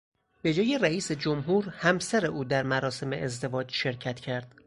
به جای رئیس جمهور همسر او در مراسم ازدواج شرکت کرد.